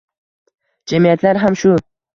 Jamiyatlar ham shu –